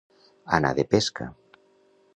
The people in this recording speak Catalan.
Anar de pesca.